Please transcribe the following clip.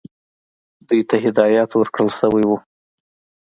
دوی ته هدایت ورکړل شوی وو.